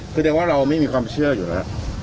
คือเรียกว่าเราไม่มีความเชื่ออยู่แล้ว